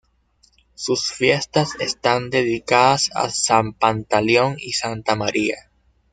Sus fiestas están dedicadas a San Pantaleón y Santa María.